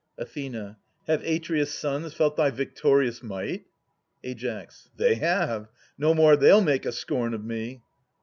Ath. Have Atreus' sons felt thy victorious might? Ai. They have. No more they '11 make a scorn of me